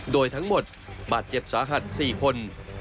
โดยทั้งหมดบาดเจ็บสาหัส๔คน